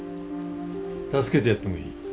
助けてやってもいい。